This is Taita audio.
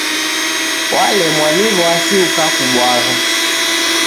W'alemwa ni w'asi ukakubwagha.